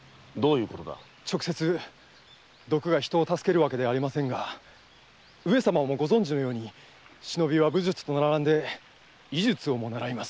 直接毒が人を助けるわけではありませんがご存じのように忍びは武術と並んで医術をも習います。